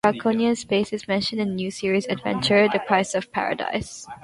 "Draconian space" is mentioned in the New Series Adventure "The Price of Paradise".